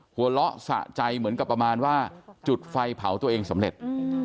หัวเราะสะใจเหมือนกับประมาณว่าจุดไฟเผาตัวเองสำเร็จ